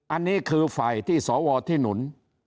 อันนี้คือฝ่ายที่สวที่หนุน